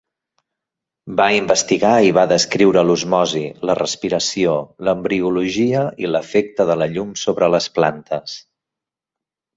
Va investigar i va descriure l'osmosi, la respiració, l'embriologia i l'efecte de la llum sobre les plantes.